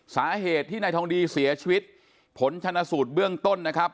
สาเหตุที่นายทองดีเสียชีวิตผลชนสูตรเบื้องต้นนะครับ